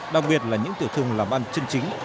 đặc biệt là những tiểu thương làm ăn chân chính